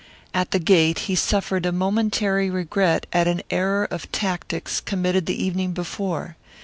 At the gate he suffered a momentary regret at an error of tactics committed the evening before.